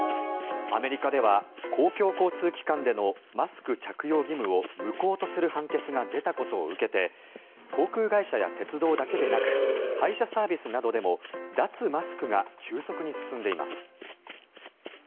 アメリカでは公共交通機関でのマスク着用義務を無効とする判決が出たことを受けて航空会社や鉄道だけでなく配車サービスなどでも脱マスクが急速に進んでいます。